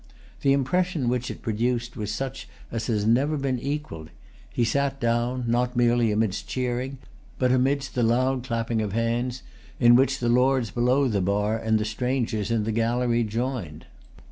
The impression which it produced was such as has never been equalled. He sat down, not merely amidst cheering, but amidst the loud clapping of hands, in which the Lords below the bar and the strangers in the gallery joined.